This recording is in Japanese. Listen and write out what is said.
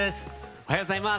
おはようございます。